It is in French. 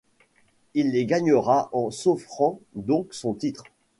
Il les gagnera en s'offrant donc son titre.